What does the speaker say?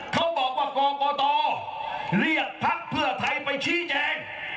เขาบอกว่ากกตเรียกพรรคเพื่อไทยไปชี้แจง